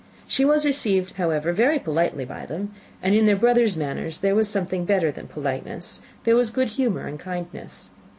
She was received, however, very politely by them; and in their brother's manners there was something better than politeness there was good humour and kindness.